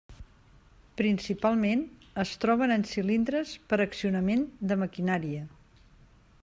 Principalment, es troben en cilindres per accionament de maquinària.